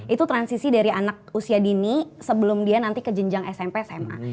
itu transisi dari anak usia dini sebelum dia nanti ke jenjang smp sma